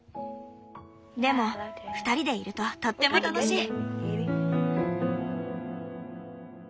でも２人でいるととっても楽しい。